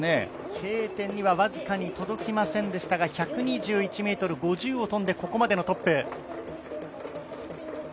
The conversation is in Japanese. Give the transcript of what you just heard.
Ｋ点には僅かに届きませんでしたが１２１ｍ５０を飛んでここまでのトップ。